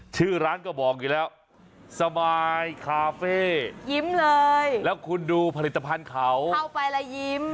ชื่อร้านก็บอกอยู่แล้วสบายคาเฟ่ยิ้มเลยแล้วคุณดูผลิตภัณฑ์เขาเข้าไปแล้วยิ้ม